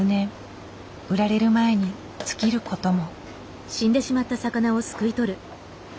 売られる前に尽きることも。